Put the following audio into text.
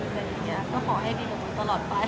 แล้วก็ขอให้ดีของเขาตลอดไป